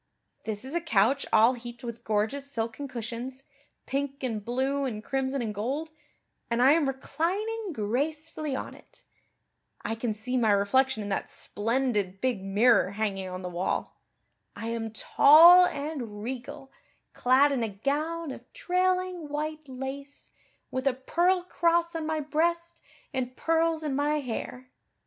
This is a couch all heaped with gorgeous silken cushions, pink and blue and crimson and gold, and I am reclining gracefully on it. I can see my reflection in that splendid big mirror hanging on the wall. I am tall and regal, clad in a gown of trailing white lace, with a pearl cross on my breast and pearls in my hair.